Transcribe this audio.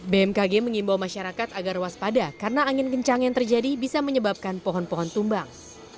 bmkg mengimbau masyarakat agar waspada karena angin kencang yang terjadi bisa menyebabkan pohon pohon tumbang